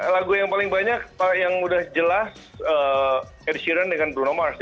lagu yang paling banyak yang udah jelas ed sheeran dengan bruno mars